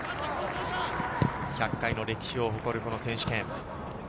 １００回の歴史を誇る、この選手権。